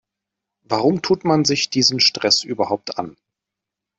Warum tut man sich diesen Stress überhaupt an?